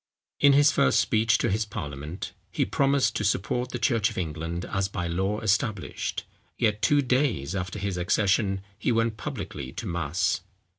In his first speech to his parliament, he promised to support the church of England as by law established; yet, two days after his accession, he went publicly to mass.